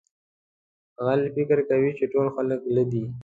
غل فکر کوي چې ټول خلک غله دي.